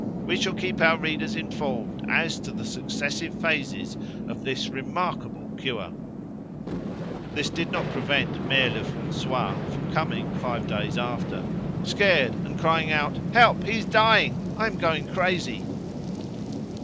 We shall keep our readers informed as to the successive phases of this remarkable cure.'" This did not prevent Mere Lefrancois, from coming five days after, scared, and crying out "Help! he is dying! I am going crazy!"